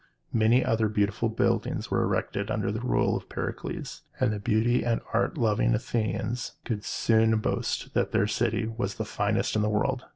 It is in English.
Many other beautiful buildings were erected under the rule of Pericles; and the beauty and art loving Athenians could soon boast that their city was the finest in the world.